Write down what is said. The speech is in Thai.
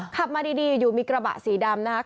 ขับมาดีอยู่มีกระบะสีดำนะครับ